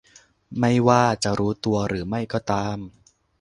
ไม่ว่าจะรู้ตัวหรือไม่ก็ตาม